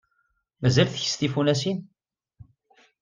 Mazal tkess tifunasin?